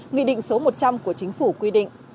nghị định số một trăm linh của chính phủ quy định